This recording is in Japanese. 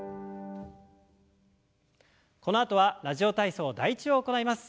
このあとは「ラジオ体操第１」を行います。